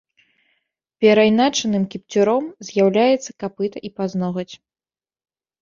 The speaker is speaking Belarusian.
Перайначаным кіпцюром з'яўляецца капыта і пазногаць.